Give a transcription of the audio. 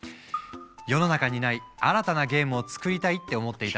世の中にない新たなゲームを作りたいって思っていた